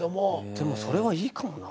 でもそれはいいかもな。